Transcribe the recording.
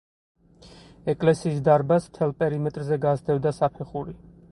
ეკლესიის დარბაზს, მთელ პერიმეტრზე გასდევდა საფეხური.